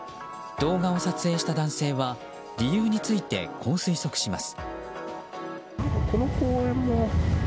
動画を撮影した男性は理由についてこう推測します。